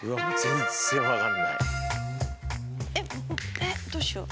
えっどうしよう。